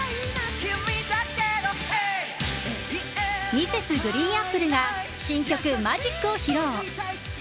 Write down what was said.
Ｍｒｓ．ＧＲＥＥＮＡＰＰＬＥが新曲「Ｍａｇｉｃ」を披露！